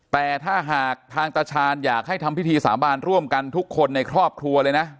แต่ถ้าหากทางตาชาญอยากให้ทำพิธีสาบานร่วมกันทุกคนในครอบครัวเลยนะ